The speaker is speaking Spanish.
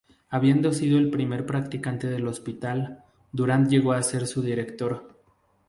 Habiendo sido el primer practicante del Hospital Durand llegó a ser su Director.